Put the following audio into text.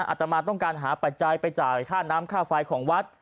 อาตมาต้องการหาปัจจัยไปจ่ายค่าน้ำค่าไฟของวัด